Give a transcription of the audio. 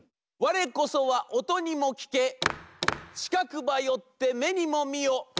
「われこそはおとにもきけちかくばよってめにもみよ。